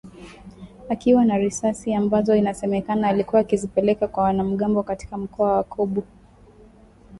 akiwa na risasi ambazo inasemekana alikuwa akizipeleka kwa wanamgambo katika mkoa wa Kobu